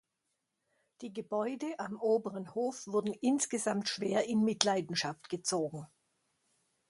Die Gebäude am Oberen Hof wurden insgesamt schwer in Mitleidenschaft gezogen.